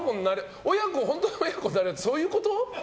本当の親子になるってそういうこと？